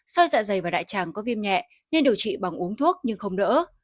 soi dạ dày và đại tràng có viêm nhẹ nên điều trị bằng uống thuốc nhưng không đỡ